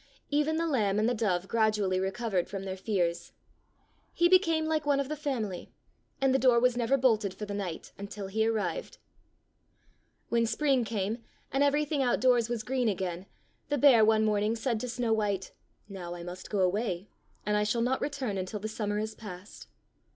Even the lamb and the dove gradually re covered from their fears. He became like one of the family, and the door was never bolted for the night until he arrived. When spring came, and everything out 39 Fairy Tale Bears doors was green again, the bear one morn ing said to Snow white, "Now I must go away, and I shall not return until the sum mer is past."